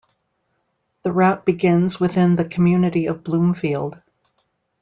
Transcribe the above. The route begins within the community of Bloomfield.